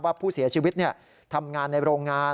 ผู้เสียชีวิตทำงานในโรงงาน